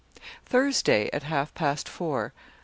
"Thursday, at half past four.